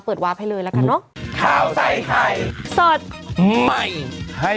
เปิดวาบให้เลยละกันเนอะ